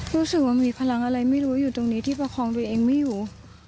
รู้สึกว่ามีพลังอะไรไม่รู้อยู่ตรงนี้ที่ประคองตัวเองไม่อยู่